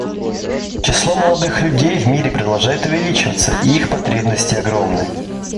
Число молодых людей в мире продолжает увеличиваться, и их потребности огромны.